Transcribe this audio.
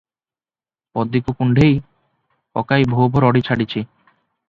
ପଦୀକୁ କୁଣ୍ଢେଇ ପକାଇ ଭୋ ଭୋ ରଡ଼ି ଛାଡ଼ିଛି ।